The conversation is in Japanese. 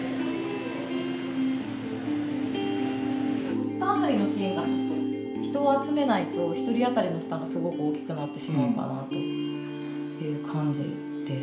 ポスター貼りの金額って人を集めないと一人当たりの負担がすごく大きくなってしまうかなという感じです。